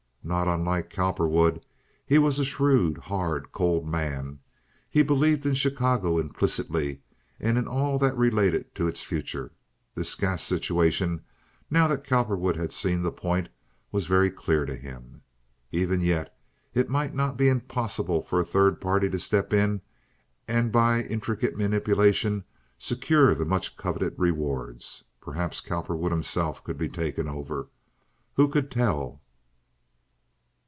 Not unlike Cowperwood, he was a shrewd, hard, cold man. He believed in Chicago implicitly and in all that related to its future. This gas situation, now that Cowperwood had seen the point, was very clear to him. Even yet it might not be impossible for a third party to step in and by intricate manipulation secure the much coveted rewards. Perhaps Cowperwood himself could be taken over—who could tell?